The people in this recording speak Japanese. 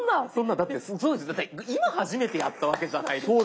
だって今初めてやったわけじゃないですか。